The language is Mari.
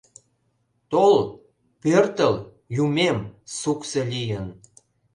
Тол, пӧртыл, юмем, суксо лийын